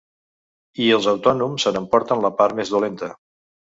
I els autònoms se n’emporten la part més dolenta.